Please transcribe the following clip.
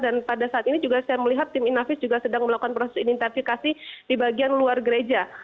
dan pada saat ini juga saya melihat tim inavis juga sedang melakukan proses identifikasi di bagian luar gereja